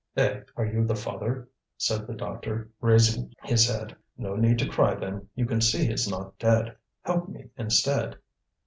"Eh, are you the father?" said the doctor, raising his eyes; "no need to cry then, you can see he is not dead. Help me instead."